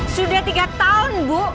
sudah tiga tahun bu